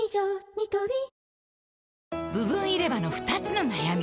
ニトリ部分入れ歯の２つの悩み